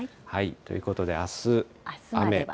ということで、あす雨。